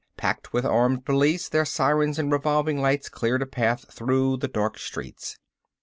Packed with armed police, their sirens and revolving lights cleared a path through the dark streets.